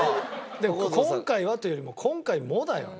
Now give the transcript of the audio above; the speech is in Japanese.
「今回は」というよりも「今回も」だよね。